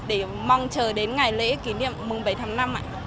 để mong chờ đến ngày lễ kỷ niệm mùng bảy tháng năm